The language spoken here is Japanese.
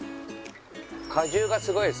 果汁がすごいです。